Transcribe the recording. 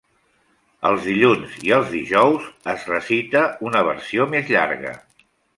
Els dilluns i els dijous, es recita una versió més llarga.